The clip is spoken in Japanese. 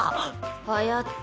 ・はやっち。